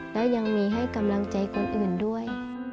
และยังมีให้กำลังใจคนอื่นด้วย